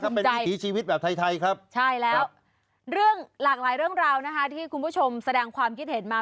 น่าสนใจใช่แล้วเรื่องหลากหลายเรื่องราวนะครับที่คุณผู้ชมแสดงความคิดเห็นมา